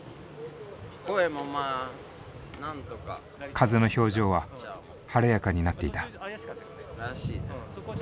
風の表情は晴れやかになっていた。